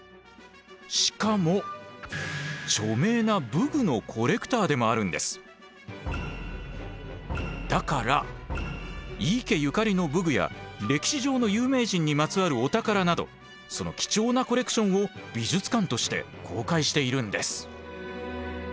しかも著名なだから井伊家ゆかりの武具や歴史上の有名人にまつわるお宝などその貴重なコレクションを美術館として公開しているんです。